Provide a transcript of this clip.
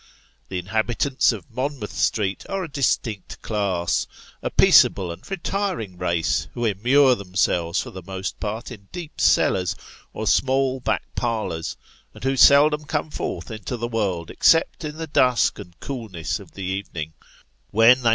The inhabitants of Monmouth Street are a distinct class ; a peace able and retiring race, who immure themselves for the most part in deep cellars, or small back parlours, and who seldom come forth into the world, except in the dusk and coolness of the evening, when they Old ClotJies.